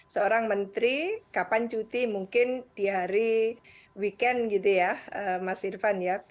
seorang menteri kapan cuti mungkin di hari weekend gitu ya mas irfan ya